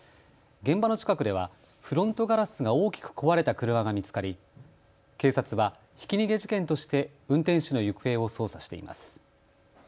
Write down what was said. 現場の近くではフロントガラスが大きく壊れた車が見つかり警察は、ひき逃げ事件として運転手の行方を捜査しています。